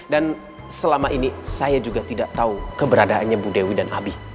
dan selama ini saya juga tidak tahu keberadaannya bu dewi dan abi